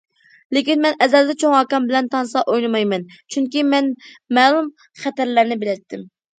لېكىن مەن ئەزەلدىن چوڭ ئاكام بىلەن تانسا ئوينىمايمەن، چۈنكى مەن مەلۇم خەتەرلەرنى بىلەتتىم.